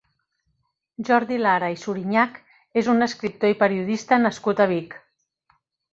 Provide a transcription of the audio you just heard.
Jordi Lara i Surinyach és un escriptor i periodista nascut a Vic.